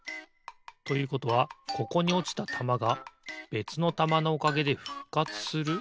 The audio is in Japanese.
ということはここにおちたたまがべつのたまのおかげでふっかつする？